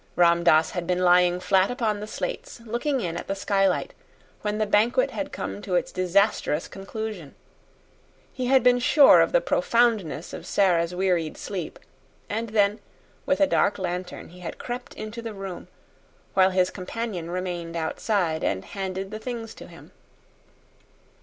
Ram Dass had been lying flat upon the slates, looking in at the skylight, when the banquet had come to its disastrous conclusion; he had been sure of the profoundness of Sara's wearied sleep; and then, with a dark lantern, he had crept into the room, while his companion remained outside and handed the things to him.